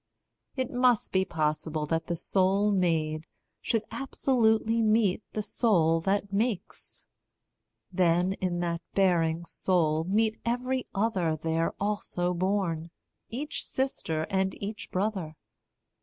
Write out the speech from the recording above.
It must be possible that the soul made Should absolutely meet the soul that makes; Then, in that bearing soul, meet every other There also born, each sister and each brother.